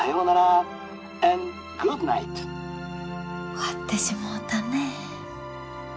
終わってしもうたねえ。